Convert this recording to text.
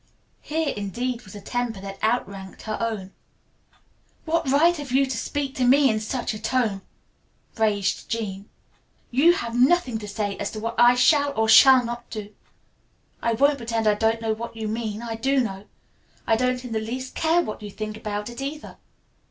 Here, indeed was a temper that outranked her own. "What right have you to speak to me in such a tone?" raged Jean. "You have nothing to say as to what I shall or shall not do. I won't pretend I don't know what you mean. I do know. I don't in the least care what you think about it, either.